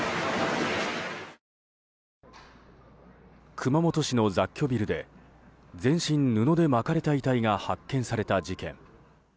熊本市の雑居ビルで全身布で巻かれた遺体が発見された事件。